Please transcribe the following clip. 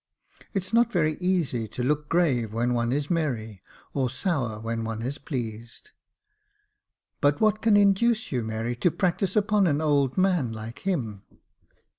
It's not very easy to look grave when one is merry, or sour when one is pleased." " But what can induce you, Mary, to practise upon an old man like him